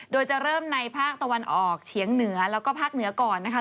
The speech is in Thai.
โดยจะเริ่มในภาคตะวันออกเฉียงเหนือแล้วก็ภาคเหนือก่อนนะคะ